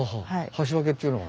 箸分けっていうのは？